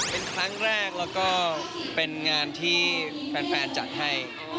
เป็นครั้งแรกแล้วก็เป็นงานที่แฟนจัดให้